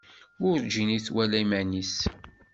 Werǧin i twala iman-is.